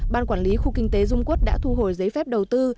ban quản lý khu kinh tế dung quốc đã thu hồi giấy phép đầu tư